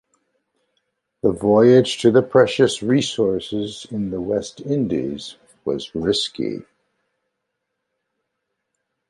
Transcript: The voyage to the precious resources in the West Indies was risky.